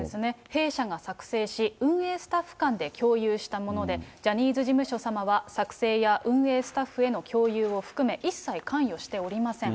弊社が作成し、運営スタッフ間で共有したもので、ジャニーズ事務所様は作成や運営スタッフへの共有を含め、一切関与しておりません。